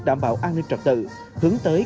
đảm bảo an ninh trật tự hướng tới